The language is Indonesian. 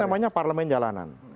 ini namanya parlement jalanan